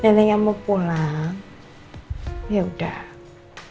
neneknya mau pulang yaudah